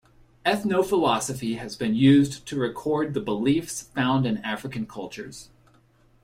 Ethnophilosophy has been used to record the beliefs found in African cultures.